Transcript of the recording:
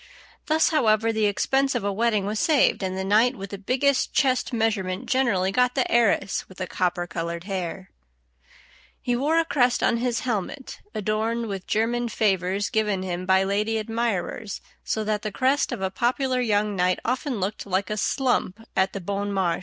Thus, however, the expense of a wedding was saved, and the knight with the biggest chest measurement generally got the heiress with the copper colored hair. [Illustration: CREST OF A POPULAR KNIGHT.] He wore a crest on his helmet adorned with German favors given him by lady admirers, so that the crest of a popular young knight often looked like a slump at the Bon Marché.